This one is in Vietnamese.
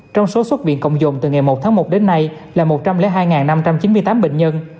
trong số xuất viện cộng dồn từ ngày một tháng một đến nay là một trăm linh hai năm trăm chín mươi tám bệnh nhân